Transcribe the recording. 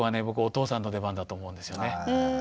僕お父さんの出番だと思うんですよね。